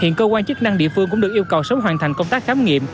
hiện cơ quan chức năng địa phương cũng được yêu cầu sớm hoàn thành công tác khám nghiệm